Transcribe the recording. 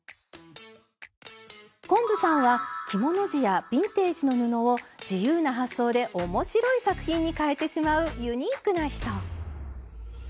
昆布さんは着物地やビンテージの布を自由な発想で面白い作品にかえてしまうユニークな人。